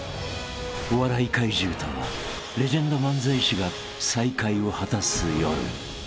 ［お笑い怪獣とレジェンド漫才師が再会を果たす夜］